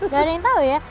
gak ada yang tau ya